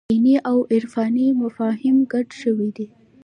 دیني او عرفاني مفاهیم ګډ شوي دي.